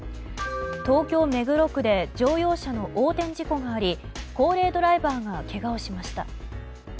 東京・目黒区で乗用車の横転事故があり高齢ドライバーがけがをしました。